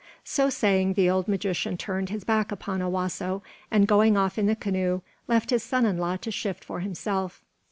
So saying, the old magician turned his back upon Owasso, and going off in the canoe, left his son in law to shift for himself.